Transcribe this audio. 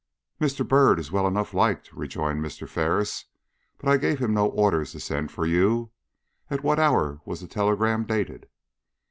"Mr. Byrd is well enough liked," rejoined Mr. Ferris, "but I gave him no orders to send for you. At what hour was the telegram dated?"